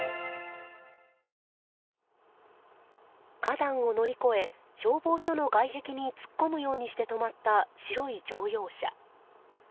花壇を乗り越え消防署の外壁に突っ込むようにして止まった白い乗用車。